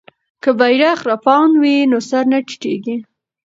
که بیرغ رپاند وي نو سر نه ټیټیږي.